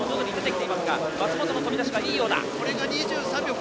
松元の飛び出しがいいようだ。